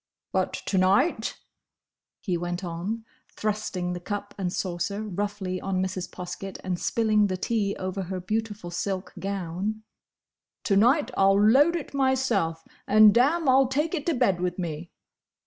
"But to night," he went on, thrusting the cup and saucer roughly on Mrs. Poskett and spilling the tea over her beautiful silk gown, "to night, I'll load it myself! and, damme! I'll take it to bed with me!"